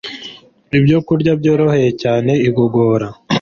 ibyokurya byoroheye cyane igogora